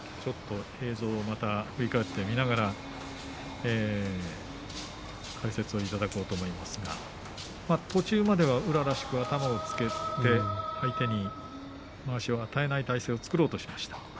映像を振り返ってみながら解説をいただこうと思いますが途中までは宇良らしく頭をつけて相手にまわしを与えない体勢を作ろうとしました。